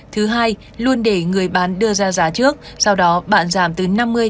thứ hai luôn để người bán đưa ra giá trước sau đó bạn giảm từ năm mươi sáu mươi